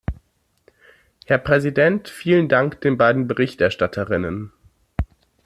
Herr Präsident, vielen Dank den beiden Berichterstatterinnen.